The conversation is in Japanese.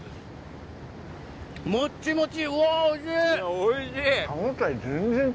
・おいしい。